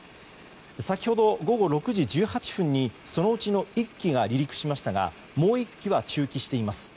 先ほど、午後６時１８分にそのうちの１機が離陸しましたがもう１機は駐機しています。